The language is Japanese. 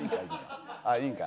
あっいいんか。